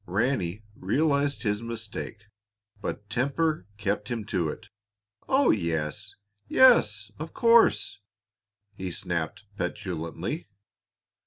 Ranny realized his mistake, but temper kept him to it. "Oh, yes! yes, of course," he snapped petulantly.